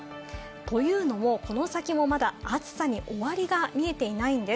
というのも、この先もまだ暑さに終わりが見えていないんです。